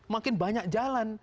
makin banyak jalan